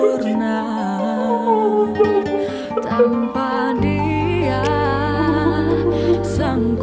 mereka sudah maafin kita mama